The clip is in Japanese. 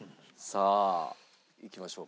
さあいきましょうか。